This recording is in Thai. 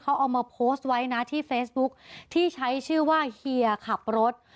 เขาเอามาโพสต์ไว้นะที่เฟซบุ๊คที่ใช้ชื่อว่าเฮียขับรถ